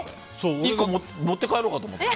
１個持って帰ろうと思って。